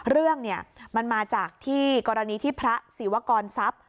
เรื่องมันมาจากที่กรณีที่พระศิวกรทรัพย์